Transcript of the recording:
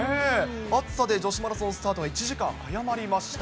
暑さで女子マラソンスタートが１時間早まりました。